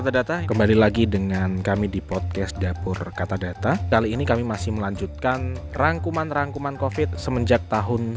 dapur kata data podcast